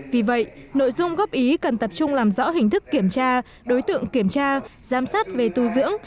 vì vậy nội dung góp ý cần tập trung làm rõ hình thức kiểm tra đối tượng kiểm tra giám sát về tu dưỡng